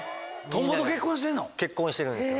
結婚してるんですよ。